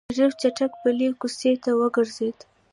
شريف چټک بلې کوڅې ته وګرځېد.